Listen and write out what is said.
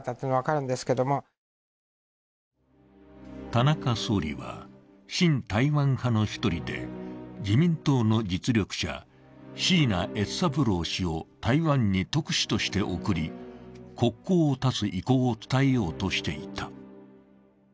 田中総理は、親台湾派の１人で、自民党の実力者、椎名悦三郎氏を台湾に特使として送り国交を断つ意向を伝えようとしていた。